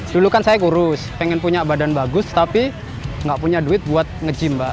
dulu kan saya kurus pengen punya badan bagus tapi nggak punya duit buat nge gym mbak